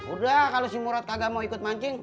udah kalo si murad kagak mau ikut mancing